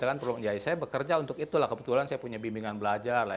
saya bekerja untuk itulah kebetulan saya punya bimbingan belajar lah